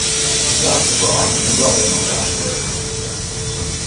The Askafroa is the guardian of the ash tree.